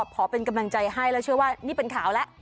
ขอเป็นกำลังใจให้แล้วเชื่อว่านี่เป็นข่าวแล้ว